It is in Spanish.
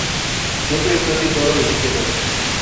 Siempre está situado a la izquierda.